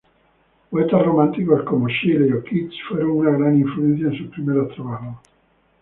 Poetas románticos como Shelley o Keats fueron una gran influencia en sus primeros trabajos.